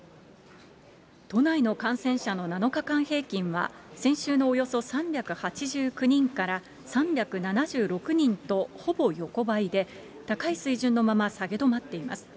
都内の感染者の７日間平均は、先週のおよそ３８９人から３７６人と、ほぼ横ばいで、高い水準のまま下げ止まっています。